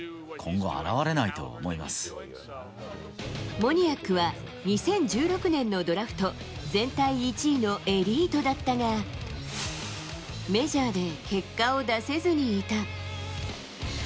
モニアックは２０１６年のドラフト全体１位のエリートだったが、メジャーで結果を出せずにいた。